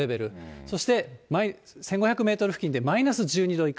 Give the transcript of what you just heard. そして１５００メートル付近でマイナス１２度以下。